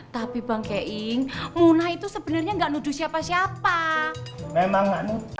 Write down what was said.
tapi bang keing munai itu sebenarnya enggak nuduh siapa siapa memang